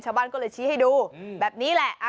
ชาวบ้านก็เลยชี้ให้ดูแบบนี้แหละ